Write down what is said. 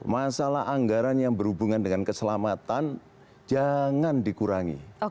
masalah anggaran yang berhubungan dengan keselamatan jangan dikurangi